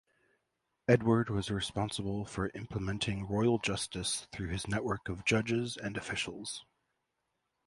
Edward was responsible for implementing royal justice through his network of judges and officials.